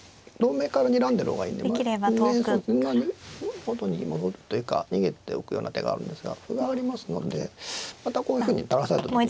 元に戻るというか逃げておくような手があるんですが歩がありますのでまたこういうふうに垂らされた時にね。